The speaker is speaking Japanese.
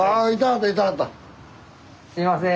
すいません。